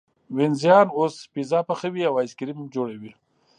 وینزیان اوس پیزا پخوي او ایس کریم جوړوي.